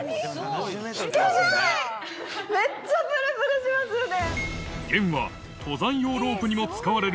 めっちゃプルプルしますよね。